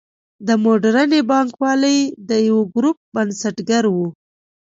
د موډرنې بانکوالۍ د یوه ګروپ بنسټګر و.